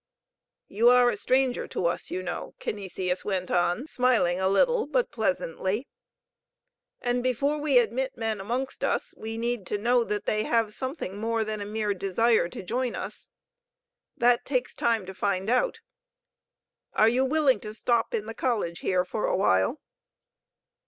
You are a stranger to us, you know," Canisius went on, smiling a little, but pleasantly. "And before we admit men amongst us, we need to know that they have something more than a mere desire to join us.. That takes time to find out. Are you willing to stop in the college here for a while?"